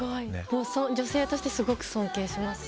女性としてすごく尊敬します。